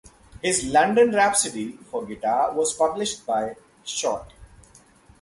His "London Rhapsody" for guitar was published by Schott.